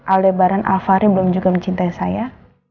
aldebaran alvari belum juga mencintai saya